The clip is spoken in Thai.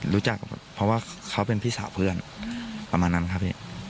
รู้จักเพราะว่าเขาเป็นพี่สาวเพื่อนประมาณนั้นครับพี่